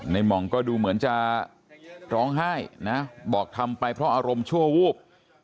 หม่องก็ดูเหมือนจะร้องไห้นะบอกทำไปเพราะอารมณ์ชั่ววูบ